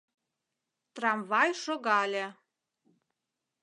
Трамвай шогале.